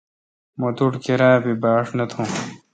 مہ توٹھ کیرا بی باݭ نہ تھون۔